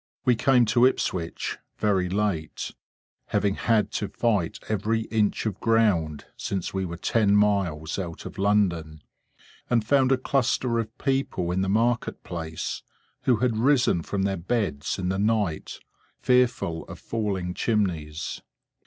We came to Ipswich—very late, having had to fight every inch of ground since we were ten miles out of London; and found a cluster of people in the market place, who had risen from their beds in the night, fearful of falling chimneys.